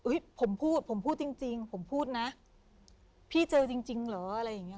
ผมพูดผมพูดจริงจริงผมพูดนะพี่เจอจริงจริงเหรออะไรอย่างเงี้